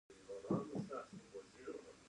مرغۍ د ونو په څانګو کې ناستې دي